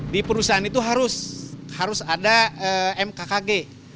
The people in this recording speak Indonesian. di perusahaan itu harus ada mkkg